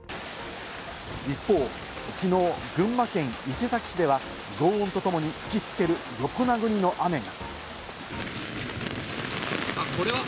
一方、きのう群馬県伊勢崎市では、轟音とともにふきつける、横殴りの雨が。